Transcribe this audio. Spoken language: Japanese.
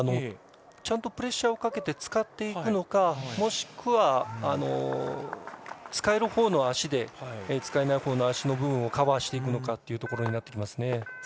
ちゃんとプレッシャーをかけて使っていくのかもしくは使えるほうの足で使えないほうの足の分をカバーしていくのかというところになってきますね。